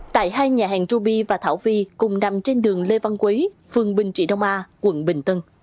tại hai nhà hàng ruby và thảo vi cùng nằm trên đường lê văn quý phường bình trị đông a quận bình tân